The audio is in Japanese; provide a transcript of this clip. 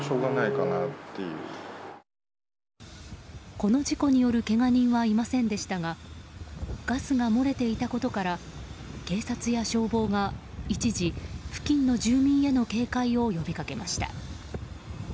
この事故によるけが人はいませんでしたがガスが漏れていたことから警察や消防が一時付近の住民への警戒を呼びかけました。